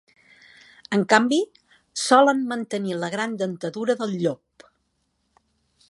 En canvi, solen mantenir la gran dentadura del llop.